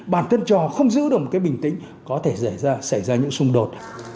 bản thân trò không giữ được một cái bình tĩnh có thể xảy ra những xung đột